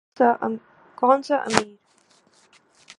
کون سا امیر۔